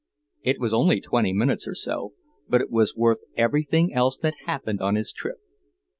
It was only twenty minutes or so, but it was worth everything else that happened on his trip.